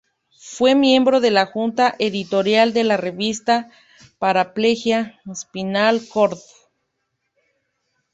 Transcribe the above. Fue miembro de la junta editorial de la revista Paraplegia-Spinal Cord.